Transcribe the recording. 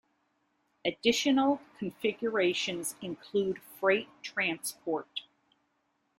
Additional configurations include freight transport.